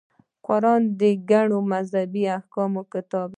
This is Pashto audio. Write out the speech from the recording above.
قران د ګڼو مذهبي احکامو کتاب دی.